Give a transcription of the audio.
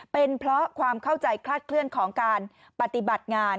เป็นเพราะความเข้าใจคลาดเคลื่อนของการปฏิบัติงาน